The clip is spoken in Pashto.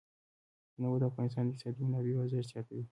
تنوع د افغانستان د اقتصادي منابعو ارزښت زیاتوي.